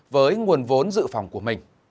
với nguồn vốn dự phòng của mình